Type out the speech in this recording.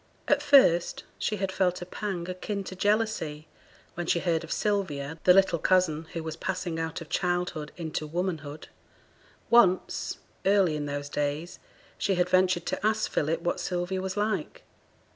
At first she had felt a pang akin to jealousy when she heard of Sylvia, the little cousin, who was passing out of childhood into womanhood. Once early in those days she had ventured to ask Philip what Sylvia was like.